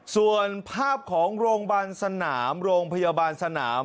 ส่วนภาพของโรงพยาบาลสนามโรงพยาบาลสนาม